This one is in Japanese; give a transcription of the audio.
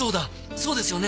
そうですよね？